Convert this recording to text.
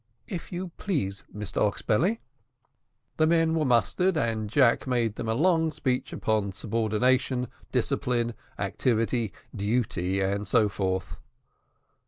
"If you please, Mr Oxbelly." The men were mustered, and Jack made them a long speech upon subordination, discipline, activity, duty, and so forth.